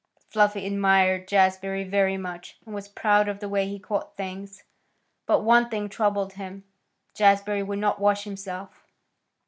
Fluffy admired Jazbury very much, and was proud of the way he caught things. But one thing troubled him. Jazbury would not wash himself.